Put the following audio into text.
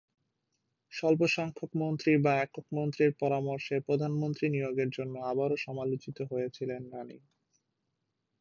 স্বল্প সংখ্যক মন্ত্রী বা একক মন্ত্রীর পরামর্শে প্রধানমন্ত্রী নিয়োগের জন্য আবারও সমালোচিত হয়েছিলেন রাণী।